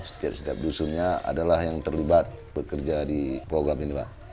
setiap setiap dusunnya adalah yang terlibat bekerja di program ini pak